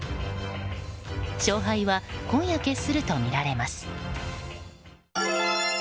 勝敗は今夜決するとみられます。